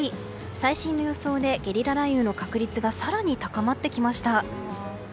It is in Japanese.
最新の予想でゲリラ雷雨の確率が更に高まってきました。